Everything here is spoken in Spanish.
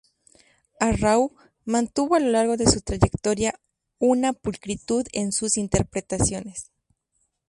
Arrau mantuvo a lo largo de su trayectoria una pulcritud en sus interpretaciones.